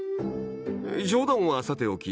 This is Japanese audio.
冗談はさておき